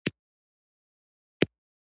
د خدای په زور زموږ امپراطور سیال نه لري.